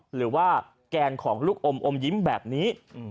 หรือว่าแกนของลูกอมอมยิ้มแบบนี้